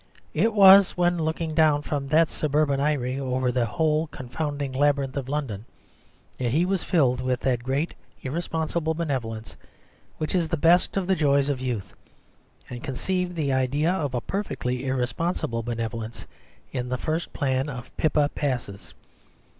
It was when looking down from that suburban eyrie over the whole confounding labyrinth of London that he was filled with that great irresponsible benevolence which is the best of the joys of youth, and conceived the idea of a perfectly irresponsible benevolence in the first plan of Pippa Passes.